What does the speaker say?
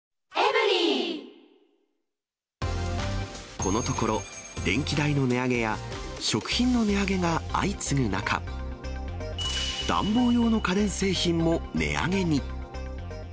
このところ、電気代の値上げや、食品の値上げが相次ぐ中、暖房用の家電製品も値上げに。